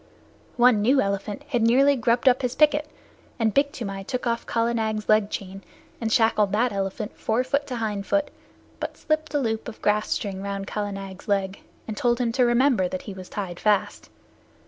One new elephant had nearly grubbed up his picket, and Big Toomai took off Kala Nag's leg chain and shackled that elephant fore foot to hind foot, but slipped a loop of grass string round Kala Nag's leg, and told him to remember that he was tied fast.